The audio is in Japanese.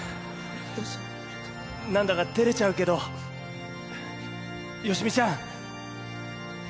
なんだか照れちゃうけどよしみちゃん。